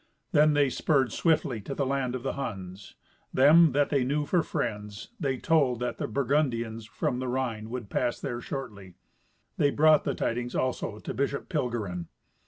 Then they spurred swiftly to the land of the Huns. Them that they knew for friends, they told that the Burgundians from the Rhine would pass there shortly. They brought the tidings also to Bishop Pilgerin.